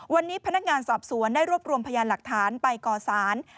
วันนี้พนักงานสอบสวนได้รวบรวมพยานหลักฐานไปก่อสาร